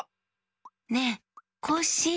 ねえコッシー！